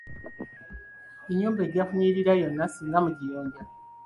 Ennyumba ejja kunyirira yonna singa mugiyonja.